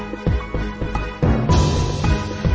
กินโทษส่องแล้วอย่างนี้ก็ได้